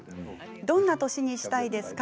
どんな年にしたいですか？